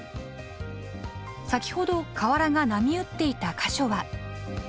先ほど瓦が波打っていた箇所は。